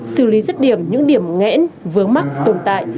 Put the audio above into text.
xử lý rất điểm những điểm ngẽn vướng mắt tồn tại